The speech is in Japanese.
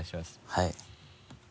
はい。